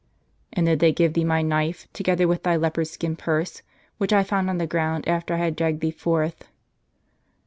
"And did they give thee my knife, together with thy leopard skin purse, which I found on the ground, after I had dragged thee forth